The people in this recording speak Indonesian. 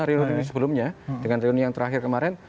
real union yang sebelumnya dengan real union yang terakhir kemarin